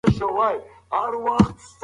لوړ شکر میکروبونه جذبوي.